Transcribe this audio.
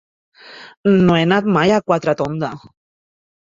No he anat mai a Quatretonda.